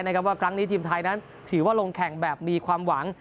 ว่าครั้งนี้ทีมไทยนั้นถือว่าลงแข่งแบบมีความหวัง